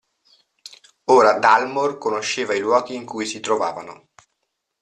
Ora Dalmor conosceva i luoghi in cui si trovavano.